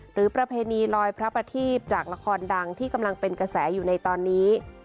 ประเพณีลอยพระประทีพจากละครดังที่กำลังเป็นกระแสอยู่ในตอนนี้